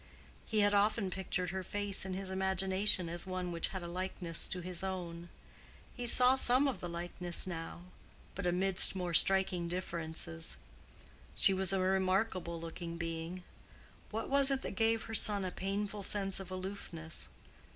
He had often pictured her face in his imagination as one which had a likeness to his own: he saw some of the likeness now, but amidst more striking differences. She was a remarkable looking being. What was it that gave her son a painful sense of aloofness?